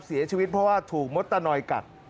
เสียชีวิตเพราะว่าถูกมดตะนอยกัด